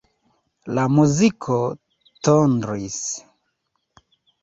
La muziko tondris.